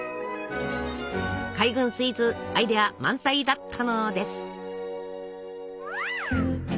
海軍スイーツアイデア満載だったのです。